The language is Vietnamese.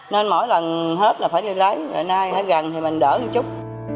nên mỗi lần hết là phải đi lấy hôm nay hay gần thì mình đỡ một chút